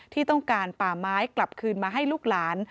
ที่ต้องการป่าไม้กลับคืนมาให้ลูกหลาน